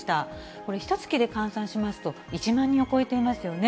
これひとつきで換算しますと、１万人を超えていますよね。